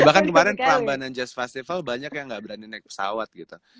bahkan kemarin perambanan jazz festival banyak yang nggak berani naik pesawat gitu